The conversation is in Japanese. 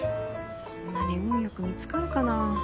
そんなに運良く見つかるかな。